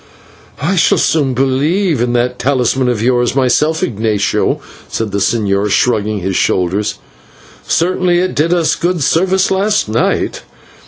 "I shall soon begin to believe in that talisman of yours myself, Ignatio," said the señor shrugging his shoulders; "certainly it did us good service last night."